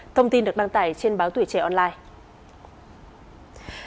thông tin được đăng tải trên báo tuổi trẻ online